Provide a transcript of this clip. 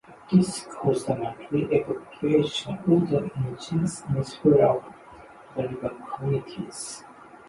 This caused a mandatory evacuation order in Jenks and several other river communities.